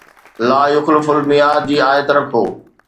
”لا يخلف المياد“ جي آيت رکو.